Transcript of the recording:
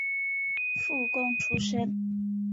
附贡出身。